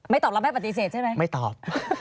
ตอบแล้วไม่ปฏิเสธใช่ไหมไม่ตอบ